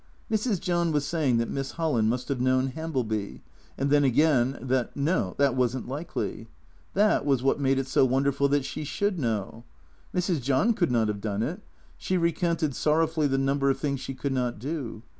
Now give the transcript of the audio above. Mrs. John was saying that Miss Holland must have known Hambleby ; and then again that no, that was n't likely. That was what made it so wonderful that she should know. Mrs. John could not have done it. She recounted sorrowfully the number of things she could not do.